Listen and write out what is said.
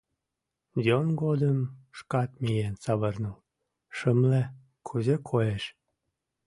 Йӧн годым шкат миен савырныл, шымле, кузе коеш.